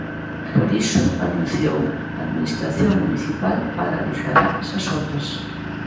Por iso, anunciou, a administración municipal paralizará esas obras.